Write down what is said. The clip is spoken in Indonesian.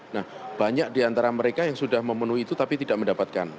nah banyak diantara mereka yang sudah memenuhi itu tapi tidak mendapatkan